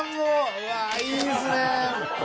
うわあいいっすね！